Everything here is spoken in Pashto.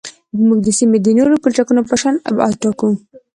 موږ د سیمې د نورو پلچکونو په شان ابعاد ټاکو